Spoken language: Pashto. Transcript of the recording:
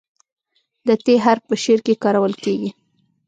د "ت" حرف په شعر کې کارول کیږي.